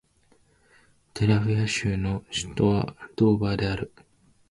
デラウェア州の州都はドーバーである